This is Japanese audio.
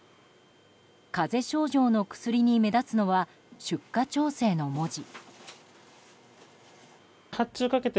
風邪症状の薬に目立つのは出荷調整の文字。